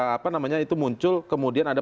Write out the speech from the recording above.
apa namanya itu muncul kemudian ada